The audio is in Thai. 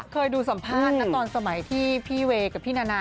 เคยดูสัมภาษณ์นะตอนสมัยที่พี่เวย์กับพี่นานา